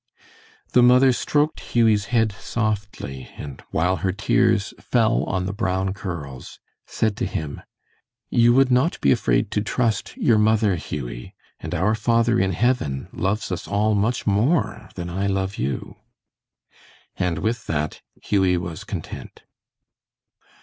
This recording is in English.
The mother stroked Hughie's head softly, and while her tears fell on the brown curls, said to him, "You would not be afraid to trust your mother, Hughie, and our Father in heaven loves us all much more than I love you." And with that Hughie was content.